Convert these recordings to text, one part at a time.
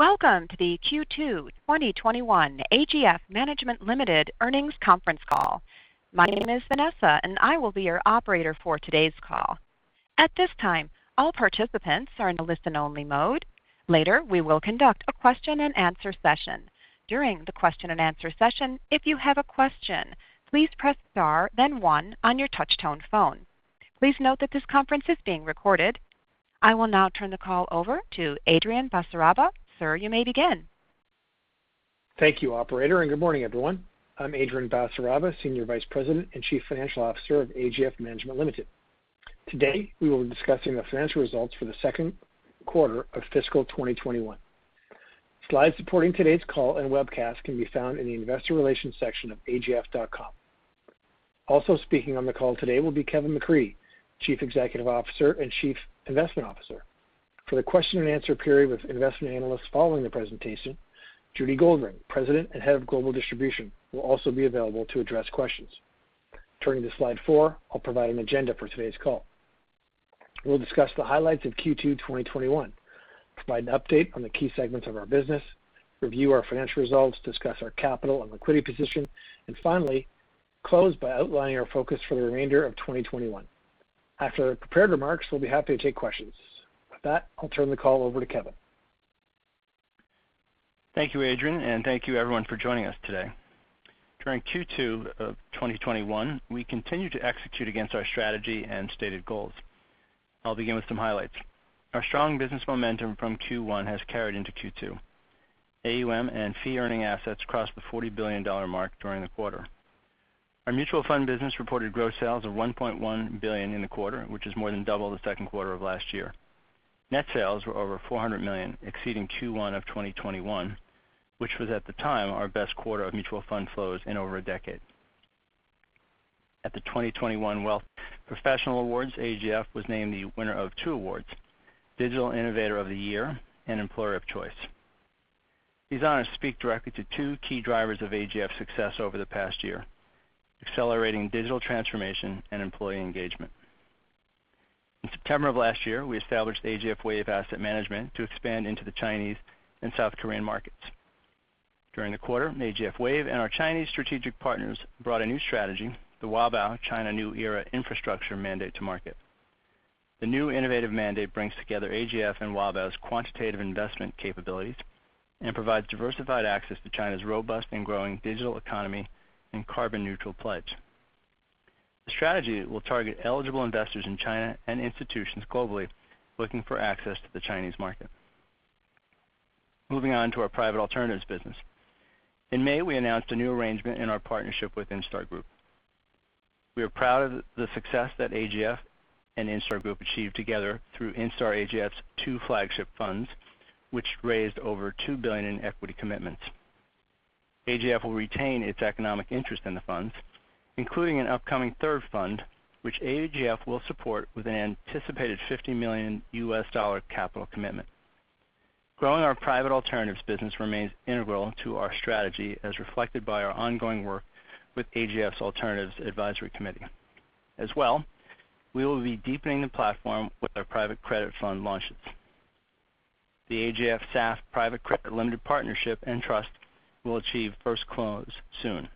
Welcome to the Q2 2021 AGF Management Limited earnings conference call. My name is Vanessa, and I will be your operator for today's call. At this time, all participants are in a listen only mode. Later, we will conduct a question-and-answer session. During the question-and-answer session, if you have a question, please press star then one on your touchtone phone. Please note that this conference is being recorded. I will now turn the call over to Adrian Basaraba. Sir, you may begin. Thank you, operator, and good morning, everyone. I'm Adrian Basaraba, Senior Vice President and Chief Financial Officer of AGF Management Limited. Today, we will be discussing our financial results for the second quarter of fiscal 2021. Slides supporting today's call and webcast can be found in the investor relations section of agf.com. Speaking on the call today will be Kevin McCreadie, Chief Executive Officer and Chief Investment Officer. For the question-and-answer period with investment analysts following the presentation, Judy Goldring, President and Head of Global Distribution, will also be available to address questions. Turning to slide four, I'll provide an agenda for today's call. We'll discuss the highlights of Q2 2021, provide an update on the key segments of our business, review our financial results, discuss our capital and liquidity position, and finally, close by outlining our focus for the remainder of 2021. After our prepared remarks, we'll be happy to take questions. With that, I'll turn the call over to Kevin. Thank you, Adrian, and thank you everyone for joining us today. During Q2 of 2021, we continued to execute against our strategy and stated goals. I'll begin with some highlights. Our strong business momentum from Q1 has carried into Q2. AUM and fee earning assets crossed the 40 billion dollar mark during the quarter. Our mutual fund business reported gross sales of 1.1 billion in the quarter, which is more than double the second quarter of last year. Net sales were over 400 million, exceeding Q1 of 2021, which was at the time our best quarter of mutual fund flows in over a decade. At the 2021 Wealth Professional Awards, AGF was named the winner of two awards, Digital Innovator of the Year and Employer of Choice. These honors speak directly to two key drivers of AGF's success over the past year, accelerating digital transformation and employee engagement. In September of last year, we established AGFWave Asset Management to expand into the Chinese and South Korean markets. During the quarter, AGFWave and our Chinese strategic partners brought a new strategy, the Hwabao China New Era Infrastructure mandate to market. The new innovative mandate brings together AGF and Hwabao's quantitative investment capabilities and provides diversified access to China's robust and growing digital economy and carbon neutral pledge. The strategy will target eligible investors in China and institutions globally looking for access to the Chinese market. Moving on to our private alternatives business. In May, we announced a new arrangement in our partnership with Instar Group. We are proud of the success that AGF and Instar Group achieved together through InstarAGF's two flagship funds, which raised over 2 billion in equity commitments. AGF will retain its economic interest in the funds, including an upcoming third fund, which AGF will support with an anticipated $50 million US capital commitment. Growing our private alternatives business remains integral to our strategy, as reflected by our ongoing work with AGF's Alternatives Advisory Committee. As well, we will be deepening the platform with our private credit fund launches. The AGF SAF Private Credit Limited Partnership and Trust will achieve first close soon.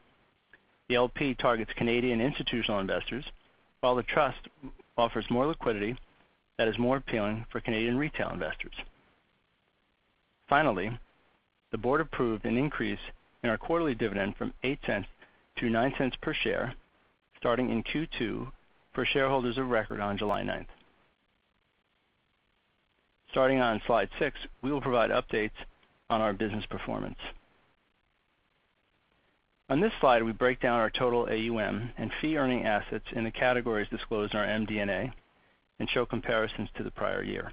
The LP targets Canadian institutional investors, while the trust offers more liquidity that is more appealing for Canadian retail investors. Finally, the board approved an increase in our quarterly dividend from 0.08 to 0.09 per share starting in Q2 for shareholders of record on July ninth. Starting on slide six, we will provide updates on our business performance. On this slide, we break down our total AUM and fee earning assets into categories disclosed in our MD&A and show comparisons to the prior year.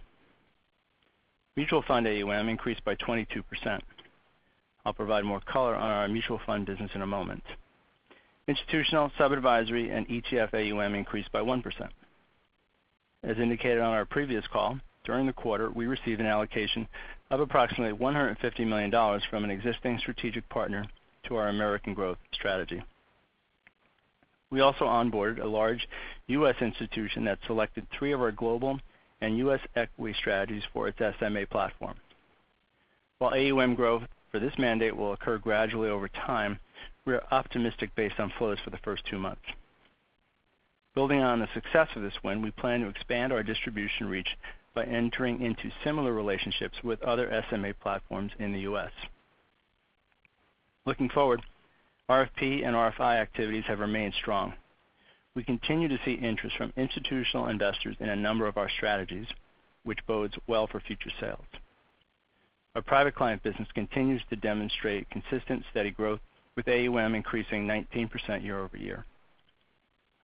Mutual fund AUM increased by 22%. I'll provide more color on our mutual fund business in a moment. Institutional, sub-advisory, and ETF AUM increased by 1%. As indicated on our previous call, during the quarter, we received an allocation of approximately $150 million from an existing strategic partner to our American Growth strategy. We also onboarded a large U.S. institution that selected three of our global and U.S. equity strategies for its SMA platform. While AUM growth for this mandate will occur gradually over time, we are optimistic based on flows for the first two months. Building on the success of this win, we plan to expand our distribution reach by entering into similar relationships with other SMA platforms in the U.S. Looking forward, RFP and RFI activities have remained strong. We continue to see interest from institutional investors in a number of our strategies, which bodes well for future sales. Our private client business continues to demonstrate consistent, steady growth, with AUM increasing 19% year-over-year.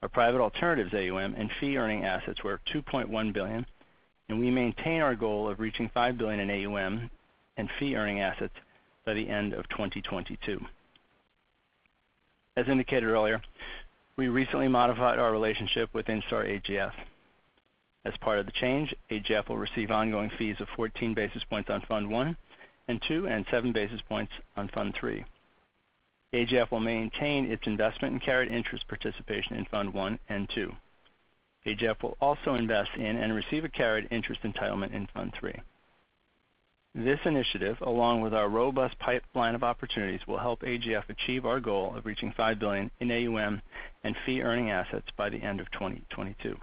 Our private alternatives AUM and fee earning assets were 2.1 billion, and we maintain our goal of reaching 5 billion in AUM and fee earning assets by the end of 2022. As indicated earlier, we recently modified our relationship with InstarAGF. As part of the change, AGF will receive ongoing fees of 14 basis points on Fund 1 and 2, and 7 basis points on Fund 3. AGF will maintain its investment and carried interest participation in Fund 1 and 2. AGF will also invest in and receive a carried interest entitlement in Fund 3. This initiative, along with our robust pipeline of opportunities, will help AGF achieve our goal of reaching 5 billion in AUM and fee-earning assets by the end of 2022.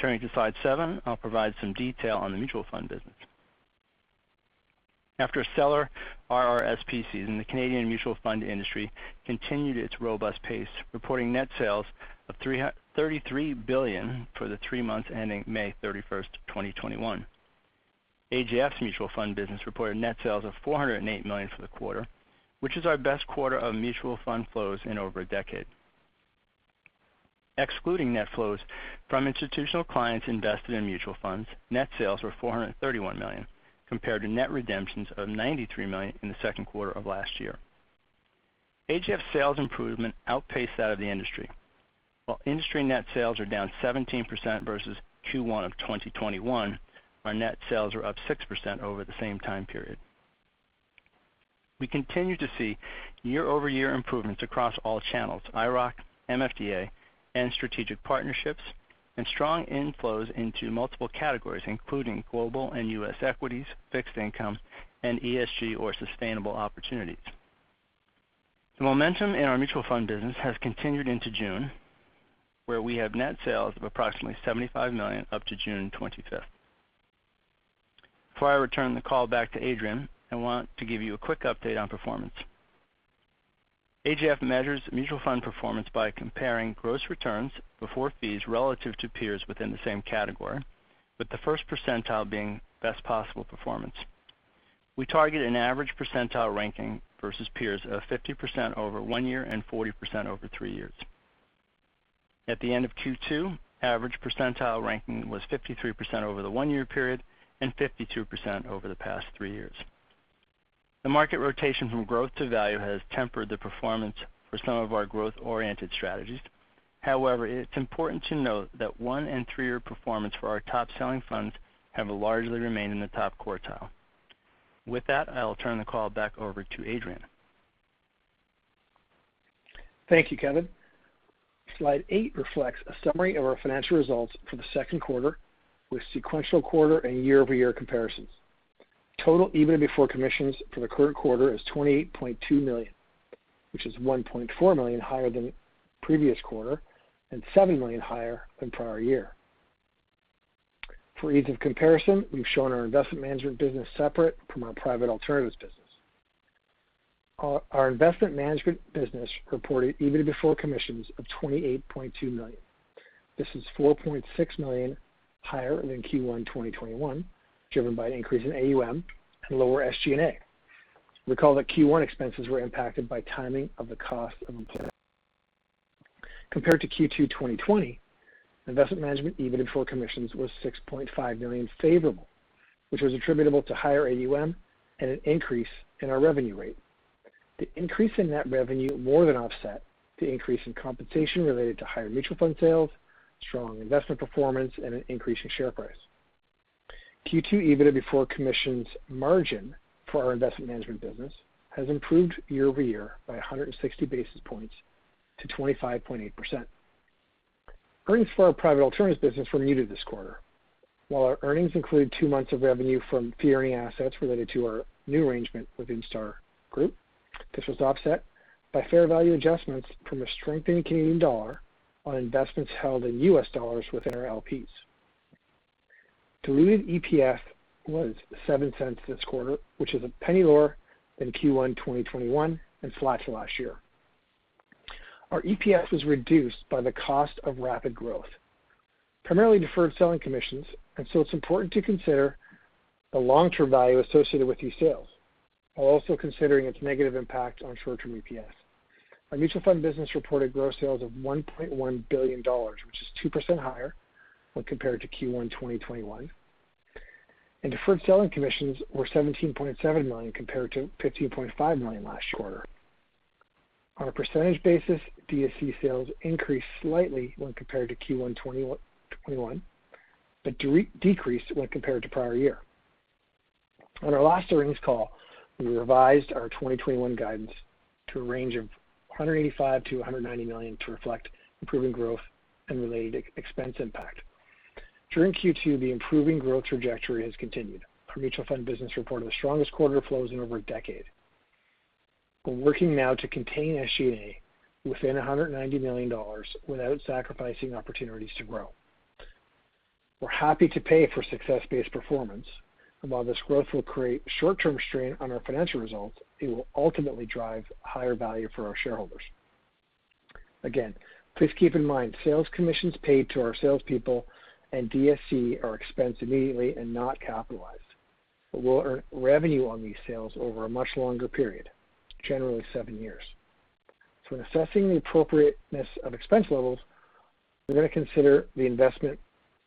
Turning to slide seven, I'll provide some detail on the mutual fund business. After a stellar RRSP season, the Canadian mutual fund industry continued its robust pace, reporting net sales of 33 billion for the three months ending May 31st, 2021. AGF's mutual fund business reported net sales of 408 million for the quarter, which is our best quarter of mutual fund flows in over a decade. Excluding net flows from institutional clients invested in mutual funds, net sales were 431 million, compared to net redemptions of 93 million in the second quarter of last year. AGF sales improvement outpaced that of the industry. While industry net sales are down 17% versus Q1 of 2021, our net sales are up 6% over the same time period. We continue to see year-over-year improvements across all channels, IIROC, MFDA, and strategic partnerships, and strong inflows into multiple categories, including global and U.S. equities, fixed income, and ESG or sustainable opportunities. The momentum in our mutual fund business has continued into June, where we have net sales of approximately 75 million up to June 25th. Before I return the call back to Adrian, I want to give you a quick update on performance. AGF measures mutual fund performance by comparing gross returns before fees relative to peers within the same category, with the first percentile being best possible performance. We target an average percentile ranking versus peers of 50% over one year and 40% over three years. At the end of Q2, average percentile ranking was 53% over the 1-year period and 52% over the past three years. The market rotation from growth to value has tempered the performance for some of our growth-oriented strategies. It's important to note that one- and three-year performance for our top-selling funds have largely remained in the top quartile. With that, I will turn the call back over to Adrian. Thank you, Kevin. Slide eight reflects a summary of our financial results for the second quarter with sequential quarter and year-over-year comparisons. Total EBITDA before commissions for the current quarter is 28.2 million, which is 1.4 million higher than the previous quarter and 7 million higher than prior year. For ease of comparison, we've shown our investment management business separate from our private alternatives business. Our investment management business reported EBITDA before commissions of 28.2 million. This is 4.6 million higher than in Q1 2021, driven by an increase in AUM and lower SG&A. Recall that Q1 expenses were impacted by timing of the cost. Compared to Q2 2020, investment management EBITDA before commissions was 6.5 million favorable, which was attributable to higher AUM and an increase in our revenue rate. The increase in net revenue more than offset the increase in compensation related to higher mutual fund sales, strong investment performance, and an increase in share price. Q2 EBITDA before commissions margin for our investment management business has improved year-over-year by 160 basis points to 25.8%. Earnings for our private alternatives business were muted this quarter. While our earnings include two months of revenue from fee-earning assets related to our new arrangement with Instar Group, this was offset by fair value adjustments from a strengthening Canadian dollar on investments held in U.S. dollars within our LPs. Diluted EPS was 0.07 this quarter, which is CAD 0.01 lower than Q1 2021 and flat to last year. Our EPS was reduced by the cost of rapid growth, primarily deferred selling commissions, and so it's important to consider the long-term value associated with these sales, while also considering its negative impact on short-term EPS. Our mutual fund business reported gross sales of 1.1 billion dollars, which is 2% higher when compared to Q1 2021, and deferred selling commissions were 17.7 million compared to 15.5 million last quarter. On a percentage basis, DSC sales increased slightly when compared to Q1 2021 but decreased when compared to prior year. On our last earnings call, we revised our 2021 guidance to a range of 185 million-190 million to reflect improving growth and related expense impact. During Q2, the improving growth trajectory has continued. Our mutual fund business reported the strongest quarter flows in over a decade. We're looking now to contain SG&A within 190 million dollars without sacrificing opportunities to grow. We're happy to pay for success-based performance, and while this growth will create short-term strain on our financial results, it will ultimately drive higher value for our shareholders. Again, please keep in mind, sales commissions paid to our salespeople and DSC are expensed immediately and not capitalized. We'll earn revenue on these sales over a much longer period, generally seven years. For assessing the appropriateness of expense levels, we're going to consider the investment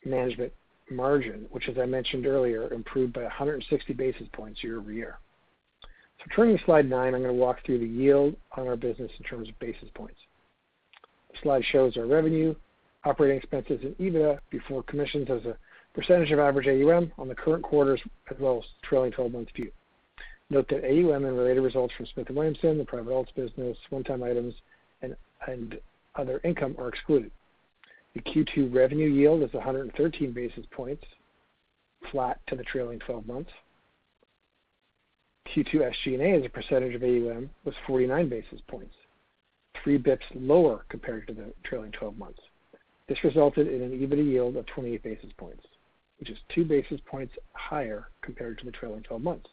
management margin, which, as I mentioned earlier, improved by 160 basis points year-over-year. Turning to slide nine, I'm going to walk through the yield on our business in terms of basis points. This slide shows our revenue, operating expenses, and EBITDA before commissions as a percentage of average AUM on the current quarter's as well as trailing 12 months view. Note that AUM and related results from Smith & Williamson, the one-time private alternatives business, items, and other income are excluded. The Q2 revenue yield is 113 basis points, flat to the trailing 12 months. Q2 SG&A as a percentage of AUM was 49 basis points, three basis points lower compared to the trailing 12 months. This resulted in an EBIT yield of 28 basis points, which is two basis points higher compared to the trailing 12 months.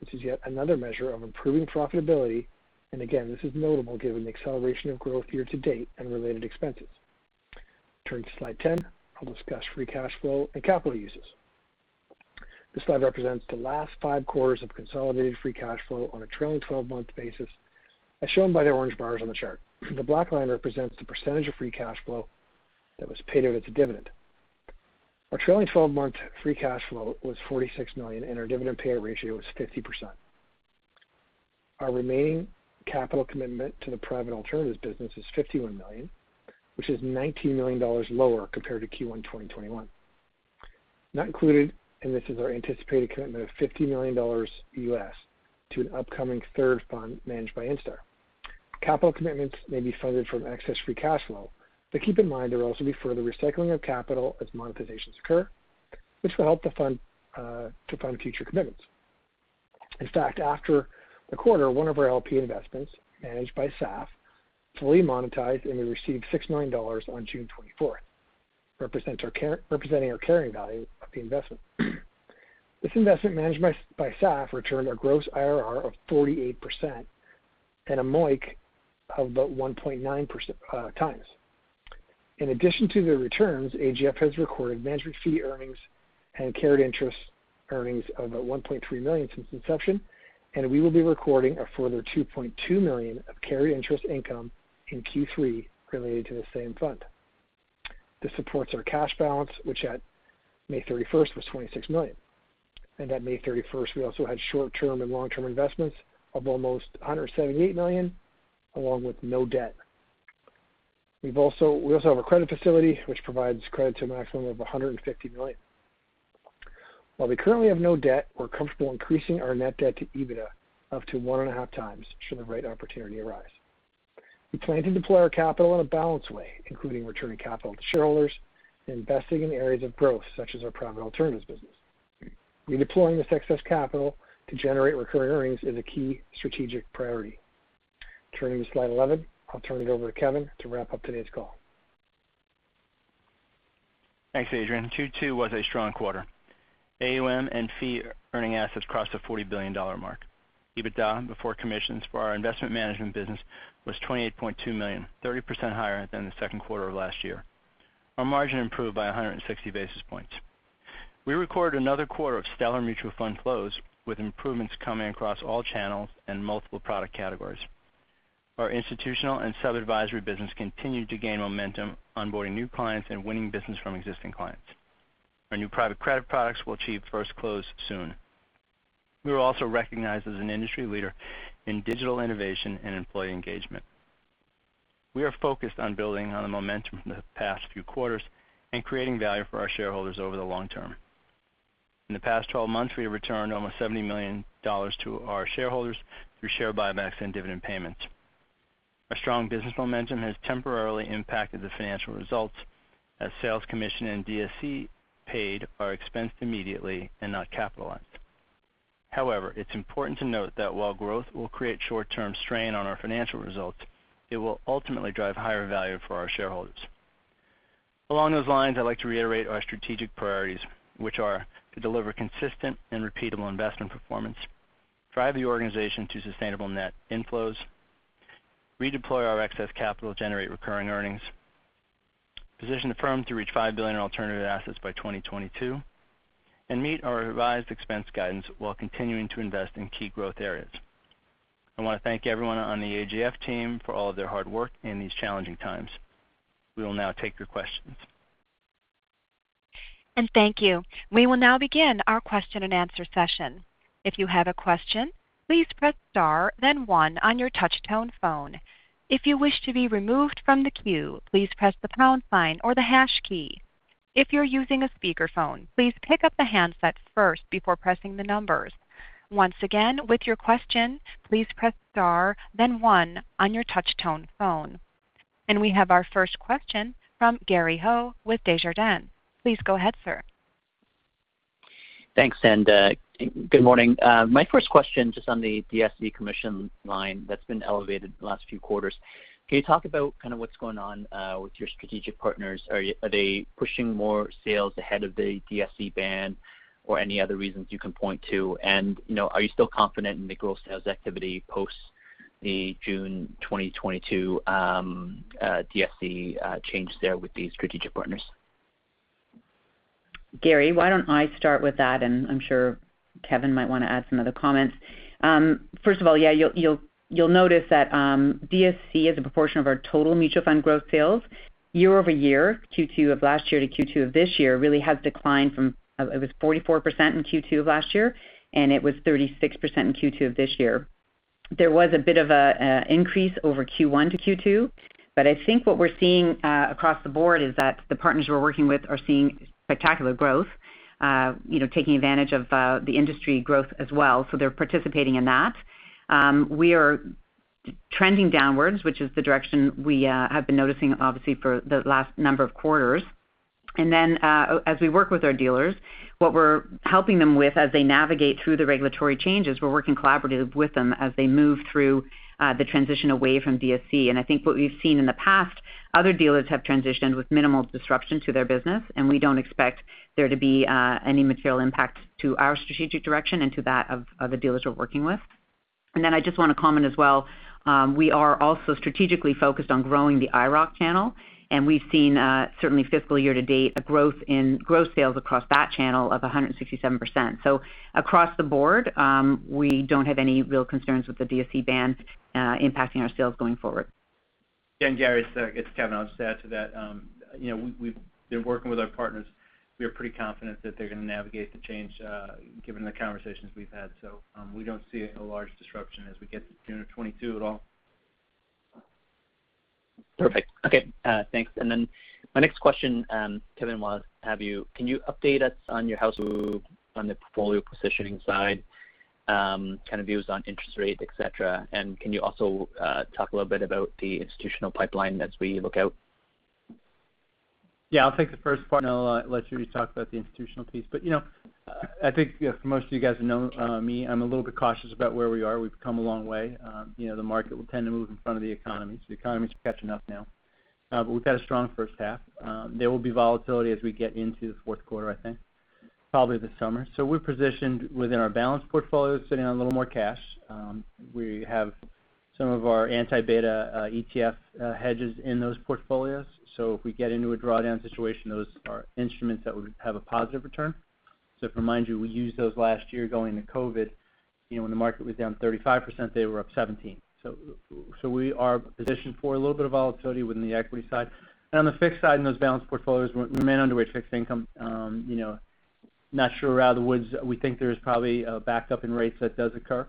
This is yet another measure of improving profitability, and again, this is notable given the acceleration of growth year-to-date and related expenses. Turning to slide 10, I'll discuss free cash flow and capital uses. This slide represents the last five quarters of consolidated free cash flow on a trailing 12-month basis, as shown by the orange bars on the chart. The black line represents the percentage of free cash flow that was paid out as a dividend. Our trailing 12-month free cash flow was 46 million, and our dividend payout ratio was 50%. Our remaining capital commitment to the private alternatives business is 51 million, which is 19 million dollars lower compared to Q1 2021. Not included in this is our anticipated commitment of $50 million to an upcoming third fund managed by Instar. Capital commitments may be funded from excess free cash flow. Keep in mind, they'll also be for the recycling of capital as monetizations occur. This will help to fund future commitments. In fact, after the quarter, one of our LP investments managed by SAF fully monetized, and we received 69 million dollars on June 24th, representing our carrying value of the investment. This investment managed by SAF returned a gross IRR of 48% and a MOIC of about 1.9x. In addition to the returns, AGF has recorded management fee earnings and carried interest earnings of about 1.3 million since inception, and we will be recording a further 2.2 million of carried interest income in Q3 related to the same fund. This supports our cash balance, which at May 31st was 26 million. At May 31st, we also had short-term and long-term investments of almost 178 million, along with no debt. We also have a credit facility which provides credit to a maximum of 150 million. While we currently have no debt, we're comfortable increasing our net debt to EBITDA up to 1.5x should the right opportunity arise. We plan to deploy our capital in a balanced way, including returning capital to shareholders and investing in areas of growth such as our private alternatives business. Redeploying this excess capital to generate recurring earnings is a key strategic priority. Turning to slide 11, I'll turn it over to Kevin to wrap up today's call. Thanks, Adrian. Q2 was a strong quarter. AUM and fee-earning assets crossed the 40 billion dollar mark. EBITDA before commissions for our investment management business was 28.2 million, 30% higher than the second quarter of last year. Our margin improved by 160 basis points. We recorded another quarter of stellar mutual fund flows, with improvements coming across all channels and multiple product categories. Our institutional and sub-advisory business continued to gain momentum, onboarding new clients and winning business from existing clients. Our new private credit products will achieve first close soon. We were also recognized as an industry leader in digital innovation and employee engagement. We are focused on building on the momentum from the past few quarters and creating value for our shareholders over the long term. In the past 12 months, we have returned over 70 million dollars to our shareholders through share buybacks and dividend payments. Our strong business momentum has temporarily impacted the financial results as sales commission and DSC paid are expensed immediately and not capitalized. It's important to note that while growth will create short-term strain on our financial results, it will ultimately drive higher value for our shareholders. Along those lines, I'd like to reiterate our strategic priorities, which are to deliver consistent and repeatable investment performance, drive the organization to sustainable net inflows, redeploy our excess capital to generate recurring earnings, position the firm to reach 5 billion alternative assets by 2022, and meet our revised expense guidance while continuing to invest in key growth areas. I want to thank everyone on the AGF team for all their hard work in these challenging times. We will now take your questions. We have our first question from Gary Ho with Desjardins. Please go ahead, sir. Thanks, and good morning. My first question is on the DSC commission line that's been elevated the last few quarters. Can you talk about what's going on with your strategic partners? Are they pushing more sales ahead of the DSC ban or any other reasons you can point to? Are you still confident in the gross sales activity post the June 2022 DSC change there with these strategic partners? Gary, why don't I start with that, and I'm sure Kevin might want to add some other comments. First of all, yeah, you'll notice that DSC as a proportion of our total mutual fund growth sales year-over-year, Q2 of last year to Q2 of this year, really has declined from, it was 44% in Q2 of last year, and it was 36% in Q2 of this year. There was a bit of an increase over Q1 to Q2. I think what we're seeing across the board is that the partners we're working with are seeing spectacular growth, taking advantage of the industry growth as well. They're participating in that. We are trending downwards, which is the direction we have been noticing, obviously, for the last number of quarters. As we work with our dealers, what we're helping them with as they navigate through the regulatory changes, we're working collaboratively with them as they move through the transition away from DSC. I think what we've seen in the past, other dealers have transitioned with minimal disruption to their business, and we don't expect there to be any material impact to our strategic direction and to that of the dealers we're working with. I just want to comment as well, we are also strategically focused on growing the IIROC channel, and we've seen certainly fiscal year-to-date growth in gross sales across that channel of 167%. Across the board, we don't have any real concerns with the DSC ban impacting our sales going forward. Gary, to kind of add to that, they're working with our partners. We are pretty confident that they're going to navigate the change given the conversations we've had. We don't see a large disruption as we get to June of 2022 at all. Perfect. Okay, thanks. My next question, Kevin, was can you update us on your house view on the portfolio positioning side kind of views on interest rates, et cetera? Can you also talk a little bit about the institutional pipeline as we look out? Yeah, I'll take the first part, and I'll let Judy talk about the institutional piece. I think most of you guys know me. I'm a little bit cautious about where we are. We've come a long way. The economy is catching up now. We've had a strong first half. There will be volatility as we get into the fourth quarter, I think, probably this summer. We're positioned within our balanced portfolio, sitting on a little more cash. We have some of our anti-beta ETF hedges in those portfolios. If we get into a drawdown situation, those are instruments that would have a positive return. If, mind you, we used those last year going into COVID, when the market was down 35%, they were up 17%. We are positioned for a little bit of volatility within the equity side. On the fixed side, in those balanced portfolios, we underweight fixed income. Not sure out of the woods. We think there's probably a backup in rates that does occur.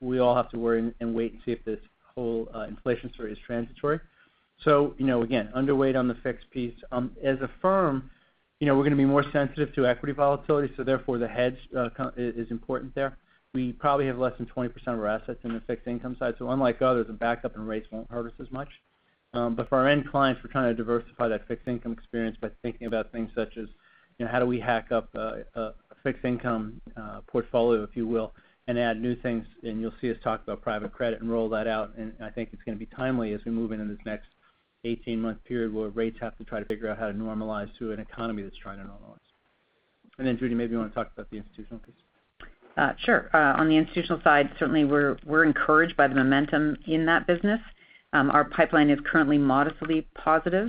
We all have to worry and wait to see if this whole inflation story is transitory. Again, underweight on the fixed piece. As a firm, we're going to be more sensitive to equity volatility, so therefore the hedge is important there. We probably have less than 20% of our assets in the fixed income side. Unlike others, a backup in rates won't hurt us as much. For our end clients, we're trying to diversify that fixed income experience by thinking about things such as how do we hack up a fixed income portfolio, if you will, and add new things. You'll see us talk about private credit and roll that out. I think it's going to be timely as we move into this next 18-month period where rates have to try to figure out how to normalize to an economy that's trying to normalize. Judy, maybe you want to talk about the institutional piece. Sure. On the institutional side, certainly we're encouraged by the momentum in that business. Our pipeline is currently modestly positive.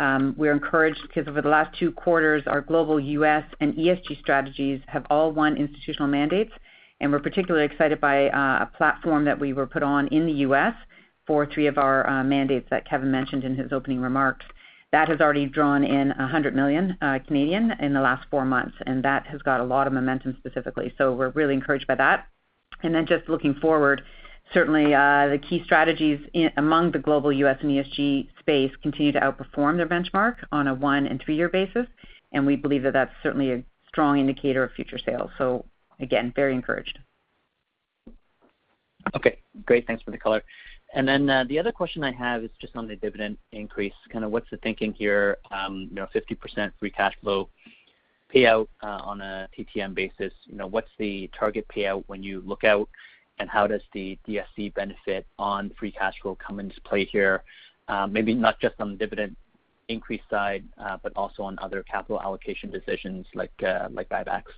We're encouraged because over the last two quarters, our Global U.S. and ESG strategies have all won institutional mandates, and we're particularly excited by a platform that we were put on in the U.S. for three of our mandates that Kevin mentioned in his opening remarks. That has already drawn in 100 million in the last four months, and that has got a lot of momentum specifically. We're really encouraged by that. Then just looking forward, certainly the key strategies among the Global U.S. and ESG space continue to outperform their benchmark on a one and three-year basis, and we believe that that's certainly a strong indicator of future sales. Again, very encouraged. Okay, great. Thanks for the color. Then the other question I have is just on the dividend increase, kind of what's the thinking here? 50% free cash flow payout on a TTM basis. What's the target payout when you look out, and how does the DSC benefit on free cash flow come into play here? Maybe not just on the dividend increase side but also on other capital allocation decisions like buybacks.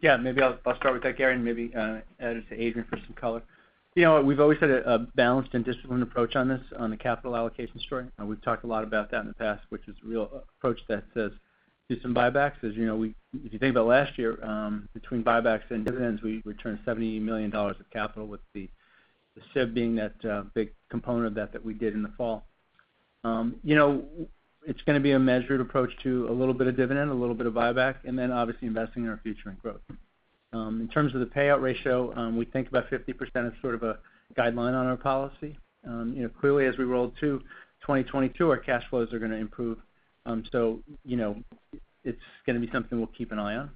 Yeah, maybe I'll start with Gary and maybe add Adrian for some color. We've always had a balanced and disciplined approach on this on the capital allocation story, and we've talked a lot about that in the past, which is a real approach that says do some buybacks. If you think about last year, between buybacks and dividends, we returned 78 million dollars of capital with the SIB being that big component of that that we did in the fall. It's going to be a measured approach to a little bit of dividend, a little bit of buyback, and then obviously investing in our future and growth. In terms of the payout ratio, we think about 50% as sort of a guideline on our policy. Clearly as we roll to 2022, our cash flows are going to improve. It's going to be something we'll keep an eye on.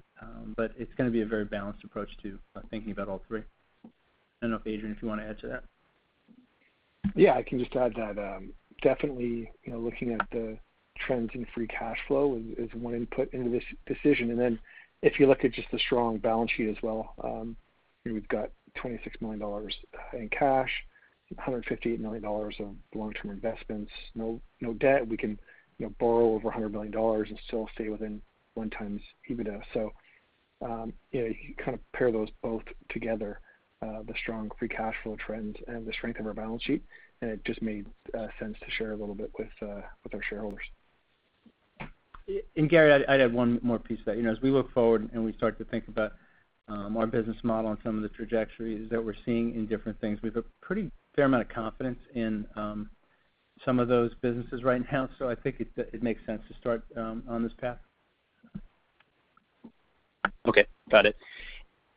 It's going to be a very balanced approach to thinking about all three. I don't know, Adrian, if you want to add to that. Yeah, I can just add that definitely looking at the trends in free cash flow is one input into this decision. If you look at just the strong balance sheet as well, we've got 26 million dollars in cash, 158 million dollars of long-term investments, no debt. We can borrow over 100 million dollars and still stay within 1x EBITDA. You kind of pair those both together, the strong free cash flow trends and the strength of our balance sheet, and it just made sense to share a little bit with our shareholders. Gary, I have one more piece to that. As we look forward and we start to think about our business model and some of the trajectories that we're seeing in different things, we've got a pretty fair amount of confidence in some of those businesses right now. I think it makes sense to start on this path. Okay. Got it.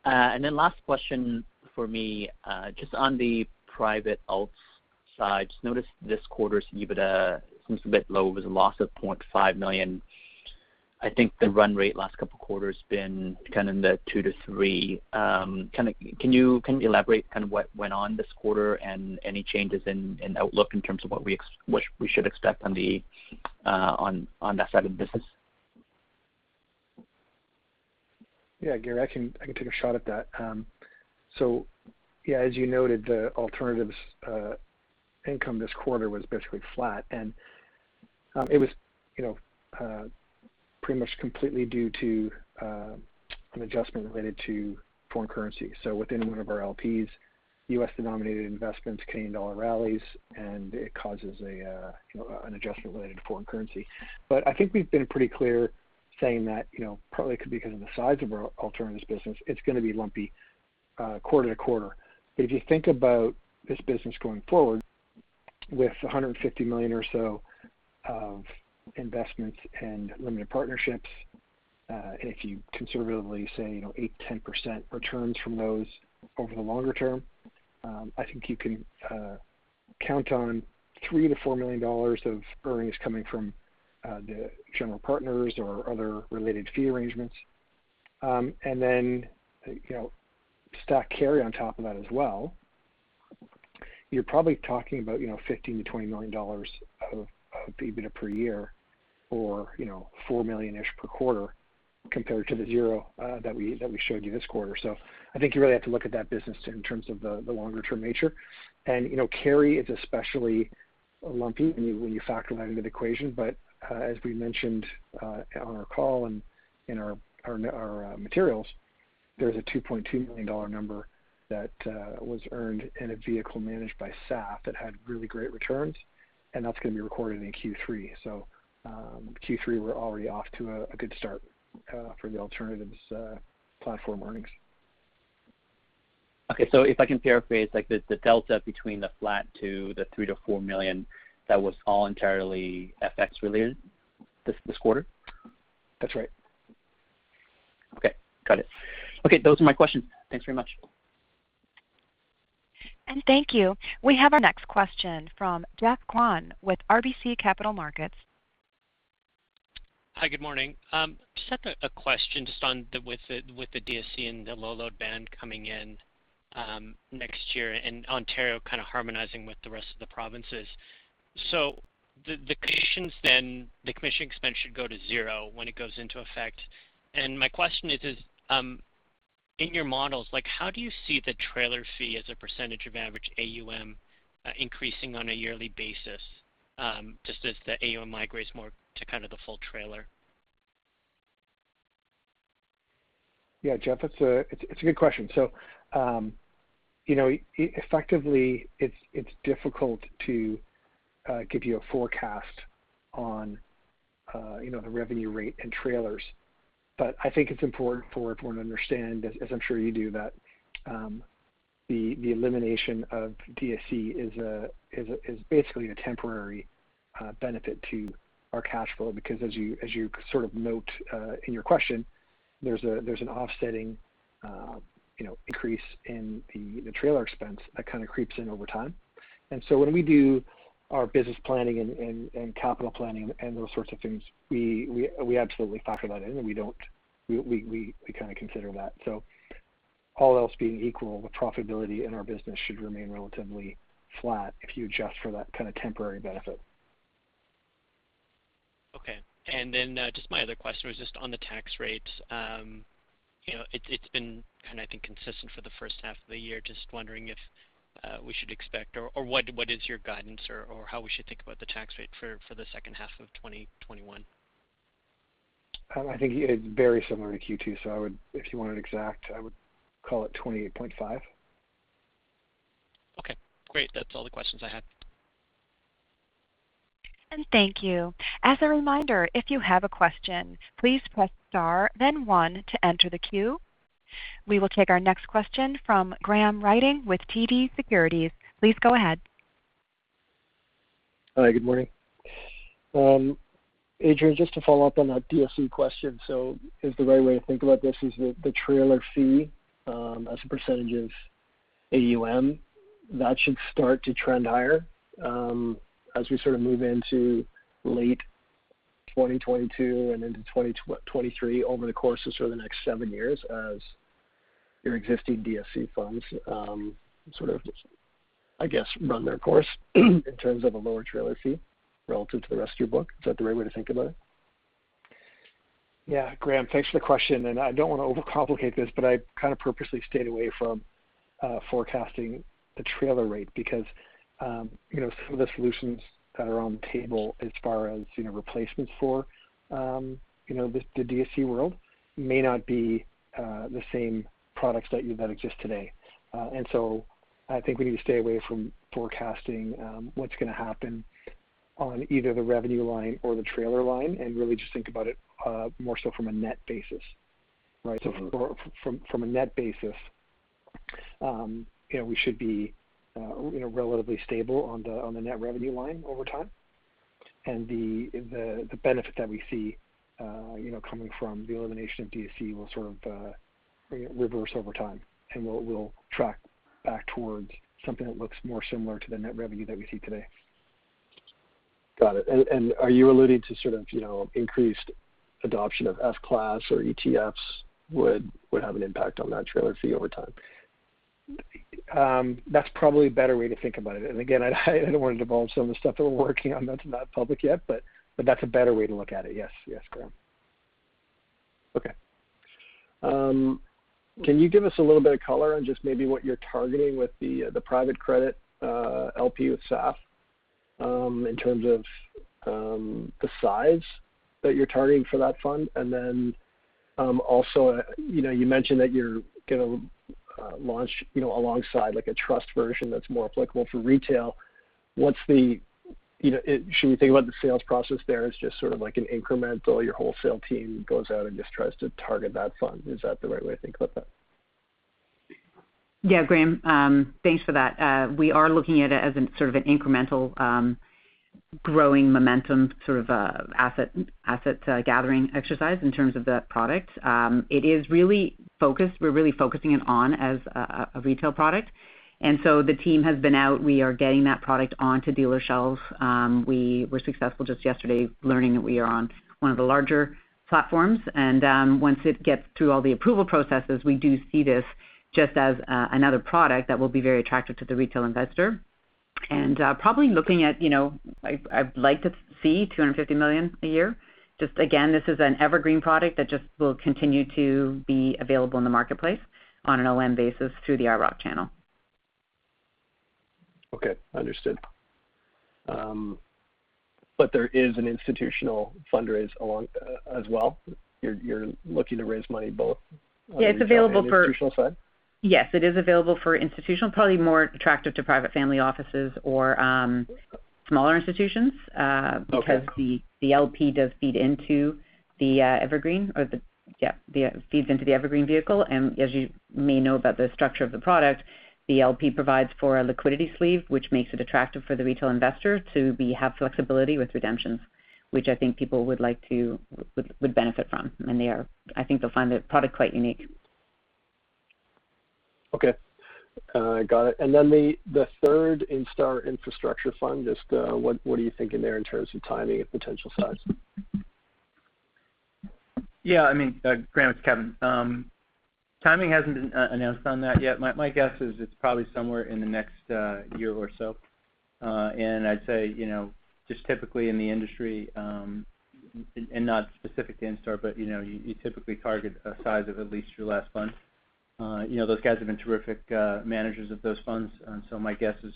Last question for me, just on the private alts side. Just noticed this quarter's EBITDA seems a bit low with a loss of 0.5 million. I think the run rate last couple quarters been kind of in the 2 million-3 million. Can you elaborate on what went on this quarter and any changes in outlook in terms of what we should expect on that side of the business? Yeah, Gary, I can take a shot at that. As you noted, the alternatives income this quarter was basically flat, and it was pretty much completely due to an adjustment related to foreign currency. Within one of our LPs, U.S.-denominated investments, Canadian dollar rallies, and it causes an adjustment related to foreign currency. I think we've been pretty clear saying that, partly because of the size of our alternatives business, it's going to be lumpy quarter-to-quarter. If you think about this business going forward with 150 million or so of investments in limited partnerships, if you conservatively say, 8%-10% returns from those over the longer term, I think you can count on 3 million-4 million dollars of earnings coming from the general partners or other related fee arrangements. Stack carry on top of that as well. You're probably talking about 15 million-20 million dollars of EBITDA per year or 4 million-ish per quarter compared to the zero that we showed you this quarter. I think you really have to look at that business in terms of the longer-term nature. Carry is especially lumpy when you factor that into the equation. As we mentioned on our call and in our materials, there's a 2.2 million dollar number that was earned in a vehicle managed by SAF that had really great returns, and that's going to be recorded in Q3. Q3, we're already off to a good start for the alternatives platform earnings. Okay. If I can paraphrase, like the delta between the flat to the 3 million-4 million, that was all entirely FX-related this quarter? That's right. Okay. Got it. Okay. Those are my questions. Thanks very much. Thank you. We have our next question from Geoff Kwan with RBC Capital Markets. Hi, good morning. Just have a question just with the DSC and the low load band coming in next year and Ontario kind of harmonizing with the rest of the provinces. The commissions then, the commission expense should go to zero when it goes into effect. My question is, in your models, how do you see the trailer fee as a percentage of average AUM increasing on a yearly basis, just as the AUM migrates more to kind of the full trailer? Yeah, Geoff, it's a good question. Effectively, it's difficult to give you a forecast on the revenue rate and trailers. I think it's important for everyone to understand, as I'm sure you do, that the elimination of DSC is basically a temporary benefit to our cash flow because as you sort of note in your question, there's an offsetting increase in the trailer expense that kind of creeps in over time. When we do our business planning and capital planning and those sorts of things, we absolutely factor that in, and we kind of consider that. All else being equal, the profitability in our business should remain relatively flat if you adjust for that kind of temporary benefit. Okay. My other question was just on the tax rates. It has been kind of inconsistent for the first half of the year. Just wondering if we should expect, or what is your guidance, or how we should think about the tax rate for the second half of 2021? I think it's very similar to Q2, so if you want it exact, I would call it 28.5. Okay, great. That's all the questions I have. Thank you. We will take our next question from Graham Ryding with TD Securities. Please go ahead. Hi, good morning. Adrian, just to follow up on that DSC question. Is the right way to think about this is the trailer fee as a percentage of AUM, that should start to trend higher as we sort of move into late 2022 and into 2023 over the course of the next seven years as your existing DSC funds sort of, I guess, run their course in terms of a lower trailer fee relative to the rest of your book. Is that the right way to think about it? Yeah. Graham, thanks for the question, I don't want to overcomplicate this, but I kind of purposely stayed away from forecasting the trailer rate because some of the solutions that are on the table as far as replacements for the DSC world may not be the same products that exist today. I think we need to stay away from forecasting what's going to happen on either the revenue line or the trailer line and really just think about it more so from a net basis, right? From a net basis. We should be relatively stable on the net revenue line over time. The benefit that we see coming from the elimination of DSC will reverse over time, and we'll track back towards something that looks more similar to the net revenue that we see today. Got it. Are you alluding to increased adoption of F class or ETFs would have an impact on that trail fee over time? That's probably a better way to think about it. Again, I don't want to divulge some of the stuff we're working on that's not public yet, but that's a better way to look at it. Yes, Graham. Okay. Can you give us a little bit of color on just maybe what you're targeting with the private credit LP with SAF in terms of the size that you're targeting for that fund? Also, you mentioned that you're going to launch alongside a trust version that's more applicable for retail. Should we think about the sales process there as just sort of an incremental, your wholesale team goes out and just tries to target that fund? Is that the right way to think of it? Yeah, Graham, thanks for that. We are looking at it as an incremental growing momentum asset gathering exercise in terms of that product. We're really focusing it on as a retail product, and so the team has been out. We are getting that product onto dealer shelves. We were successful just yesterday learning that we are on one of the larger platforms, and once it gets through all the approval processes, we do see this just as another product that will be very attractive to the retail investor. Probably looking at, I'd like to see 250 million a year. Just again, this is an evergreen product that just will continue to be available in the marketplace on an online basis through the IIROC channel. Okay, understood. There is an institutional fundraise as well? You're looking to raise money both on the institutional side? Yes, it is available for institutional, probably more attractive to private family offices or smaller institutions because the LP does feed into the evergreen vehicle. As you may know about the structure of the product, the LP provides for a liquidity sleeve, which makes it attractive for the retail investor to have flexibility with redemptions, which I think people would benefit from. I think they'll find the product quite unique. Okay. Got it. Then the third Instar infrastructure fund, just what are you thinking there in terms of timing and potential size? Yeah, Graham, it's Kevin. Timing hasn't been announced on that yet. My guess is it's probably somewhere in the next year or so. I'd say, just typically in the industry, and not specifically Instar, but you typically target a size of at least your last fund. Those guys have been terrific managers of those funds. My guess is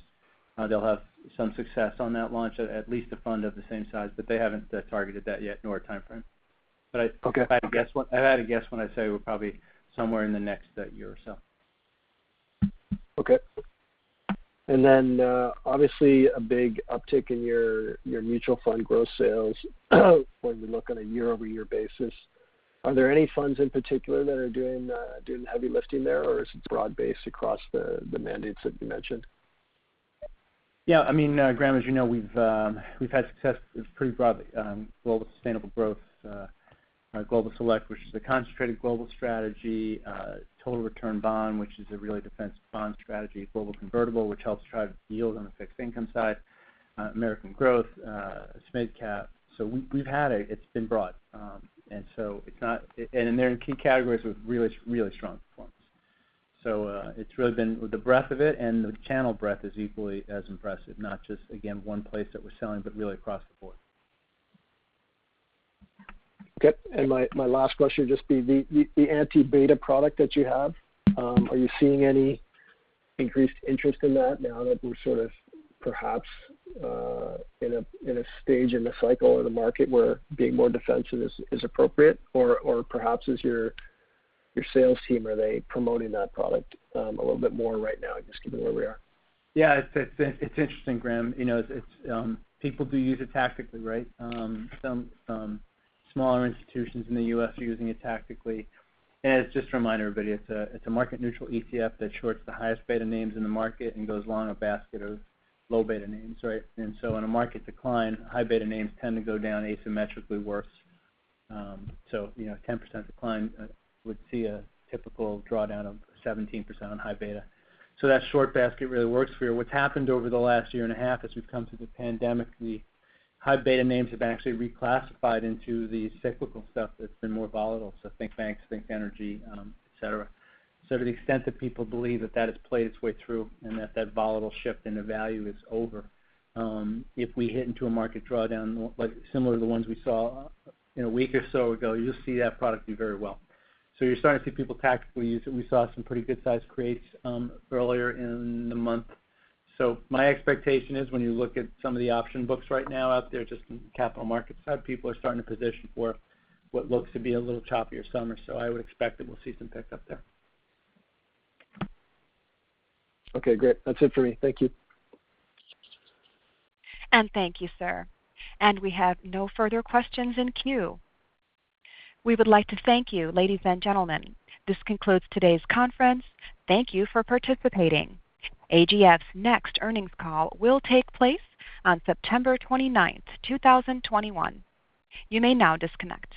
they'll have some success on that launch at least a fund of the same size, but they haven't targeted that yet, nor a timeframe. Okay. If I had to guess, I'd say probably somewhere in the next year or so. Okay. Obviously a big uptick in your mutual fund growth sales when you look on a year-over-year basis. Are there any funds in particular that are doing the heavy lifting there, or is it broad-based across the mandates that you mentioned? Yeah. Graham, as you know, we've had success with pretty broad Global Sustainable Growth, Global Select, which is a concentrated global strategy, Total Return Bond, which is a really defensive bond strategy, Global Convertible, which helps drive yield on the fixed income side, American Growth, SMID Cap. We've had it. It's been broad. They're in key categories with really strong performance. It's really been with the breadth of it, and the channel breadth is equally as impressive, not just, again, one place that we're selling, but really across the board. Okay. My one last question, just the Anti-Beta product that you have, are you seeing any increased interest in that now that we're perhaps in a stage in the cycle in the market where being more defensive is appropriate? Perhaps is your sales team, are they promoting that product a little bit more right now, just given where we are? It's interesting, Graham. People do use it tactically, right? Some smaller institutions in the U.S. are using it tactically. Just a reminder to everybody, it's a market neutral ETF that shorts the highest beta names in the market and goes long a basket of low beta names, right? In a market decline, high beta names tend to go down asymmetrically worse. 10% decline would see a typical drawdown of 17% on high beta. That short basket really works for you. What's happened over the last year and a half as we've come through the pandemic, the high beta names have actually reclassified into the cyclical stuff that's been more volatile. Think banks, think energy, et cetera. To the extent that people believe that that has played its way through and that that volatile shift in the value is over, if we hit into a market drawdown similar to the ones we saw a week or so ago, you'll see that product do very well. You're starting to see people tactically use it. We saw some pretty good size creates earlier in the month. My expectation is when you look at some of the option books right now out there, just in capital markets, people are starting to position for what looks to be a little choppier summer. I would expect that we'll see some pick up there. Okay, great. That's it for me. Thank you. Thank you, sir. We have no further questions in queue. We would like to thank you, ladies and gentlemen. This concludes today's conference. Thank you for participating. AGF's next earnings call will take place on September 29th, 2021. You may now disconnect.